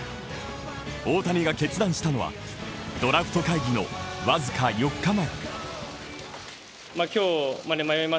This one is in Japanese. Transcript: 大谷が決断したのは、ドラフト会議の僅か４日前。